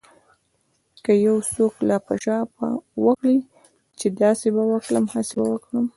که يو څوک لاپه شاپه وکړي چې داسې به وکړم هسې به وکړم.